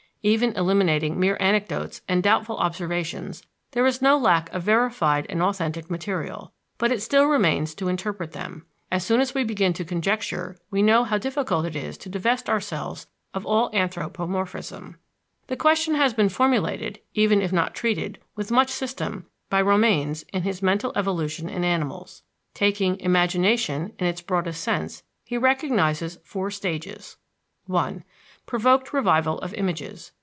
Even eliminating mere anecdotes and doubtful observations, there is no lack of verified and authentic material, but it still remains to interpret them. As soon as we begin to conjecture we know how difficult it is to divest ourselves of all anthropomorphism. The question has been formulated, even if not treated, with much system by Romanes in his Mental Evolution in Animals. Taking "imagination" in its broadest sense, he recognizes four stages: 1. Provoked revival of images.